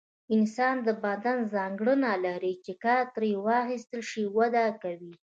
انسان د بدن ځانګړنه لري چې کار ترې واخیستل شي وده کوي.